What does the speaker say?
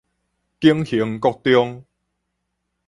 景興國中